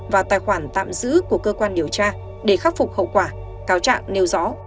và tài khoản tạm giữ của cơ quan điều tra để khắc phục hậu quả cáo trạng nêu rõ